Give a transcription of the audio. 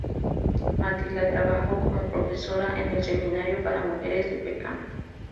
Matilda trabajó como profesora en el seminario para mujeres de Peckham.